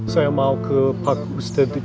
saya mau ke pak ustadz kemet